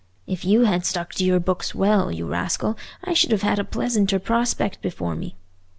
If you had stuck to your books well, you rascal, I should have had a pleasanter prospect before me.